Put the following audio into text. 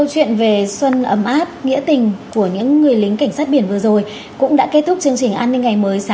hẹn gặp lại các bạn trong những video tiếp theo